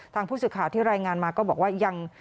ทางผู้สื่อข่าวที่รายงานมาก็บอกว่ายัง